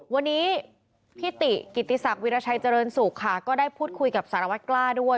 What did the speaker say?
วันนี้พี่ติกิติศักดิราชัยเจริญสุขค่ะก็ได้พูดคุยกับสารวัตรกล้าด้วย